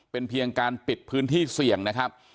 เป็นเพียงการปิดพื้นที่เสี่ยงนะครับ